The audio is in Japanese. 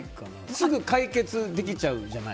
すぐに解決できちゃうじゃない。